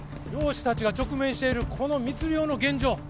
漁師達が直面しているこの密漁の現状